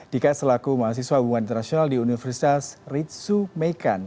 dika selaku mahasiswa hubungan internasional di universitas ritsumeikan